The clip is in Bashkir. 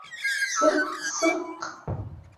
Сырҡ-сырҡ!